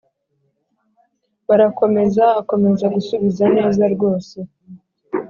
barakomeza, akomeza gusubiza neza rwose,